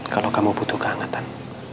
kalau kamu butuh keangetan